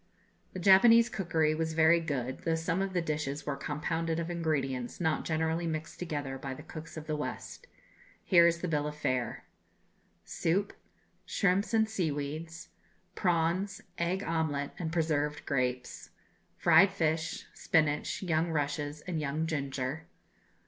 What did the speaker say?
The Japanese cookery was very good, though some of the dishes were compounded of ingredients not generally mixed together by the cooks of the West. Here is the bill of fare: Soup. Shrimps and Seaweeds. Prawns, Egg Omelette, and Preserved Grapes. Fried Fish, Spinach, Young Rushes, and Young Ginger.